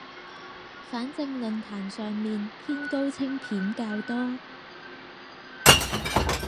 反正論壇上面偏高清片較多